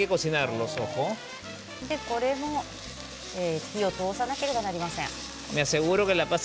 これも火を通さなければなりません。